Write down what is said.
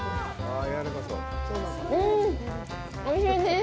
うん、おいしいです。